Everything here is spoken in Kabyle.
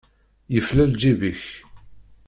Yefla lǧib-ik!